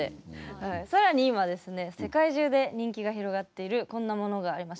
更に今ですね世界中で人気が広がっているこんなものがあります。